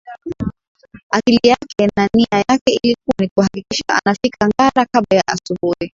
Akili yake na nia yake ilikuwa ni kuhakikisha anafika ngara kabla ya asubuhi